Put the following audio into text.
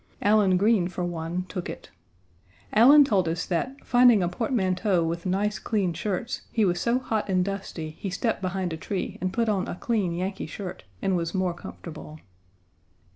Allen Green, for one, took it. Allen told us that, finding a portmanteau with nice clean Page 96 shirts, he was so hot and dusty he stepped behind a tree and put on a clean Yankee shirt, and was more comfortable.